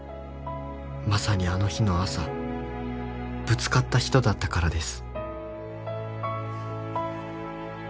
「まさにあの日の朝」「ぶつかった人だったからです」